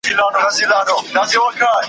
څاڅکي څاڅکي مي د اوښکو `